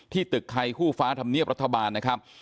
ตึกไทยคู่ฟ้าธรรมเนียบรัฐบาลนะครับ